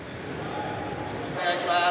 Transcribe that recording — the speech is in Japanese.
・お願いします。